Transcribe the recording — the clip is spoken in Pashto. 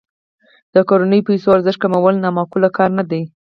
د کورنیو پیسو ارزښت کمول نا معقول کار نه دی.